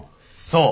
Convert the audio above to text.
そう。